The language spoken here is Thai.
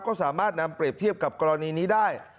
ก็สามารถนำเปรียบเทียบกับกรณีนี้ได้